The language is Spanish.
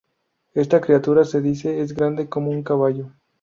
Esta criatura se dice es grande como un caballo.